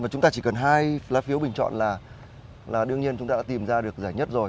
chúng ta chỉ cần hai lá phiếu bình chọn là đương nhiên chúng ta đã tìm ra được giải nhất rồi